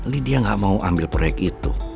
lydia gak mau ambil proyek itu